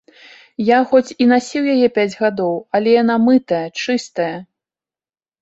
Я хоць і насіў яе пяць гадоў, але яна мытая, чыстая!